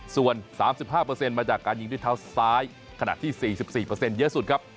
ส่วน๓๕เปอร์เซ็นต์มาจากการยิงด้วยเท้าซ้ายขณะที่๔๔เปอร์เซ็นต์เยอะสุดครับ